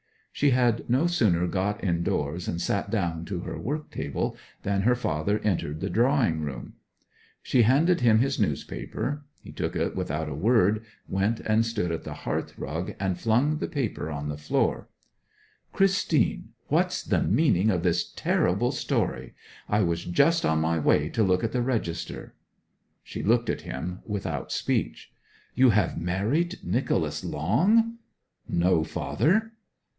She had no sooner got indoors and sat down to her work table than her father entered the drawing room. She handed him his newspaper; he took it without a word, went and stood on the hearthrug, and flung the paper on the floor. 'Christine, what's the meaning of this terrible story? I was just on my way to look at the register.' She looked at him without speech. 'You have married Nicholas Long?' 'No, father.'